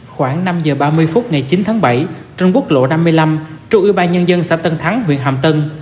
khoảng năm h ba mươi phút ngày chín tháng bảy trong bức lộ năm mươi năm trung ưu ba nhân dân xã tân thắng huyện hàm tân